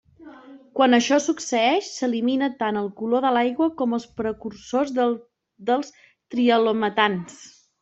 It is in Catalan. Quan això succeeix s'elimina tant el color de l'aigua com els precursors dels trihalometans.